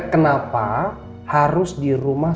kenapa harus di rumah